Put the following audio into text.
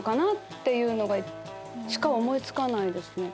っていうのしか思い付かないですね。